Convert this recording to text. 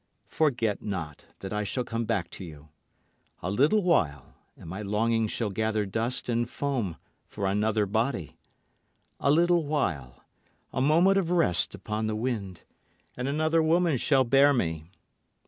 Forget not that I shall come back to you. A little while, and my longing shall gather dust and foam for another body. A little while, a moment of rest upon the wind, and another woman shall bear me.